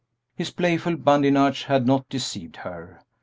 His playful badinage had not deceived her.